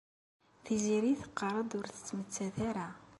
Tiziri teqqar-d ur tettmettat ara.